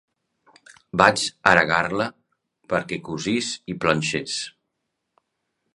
Vaig aregar-la perquè cosís i planxés.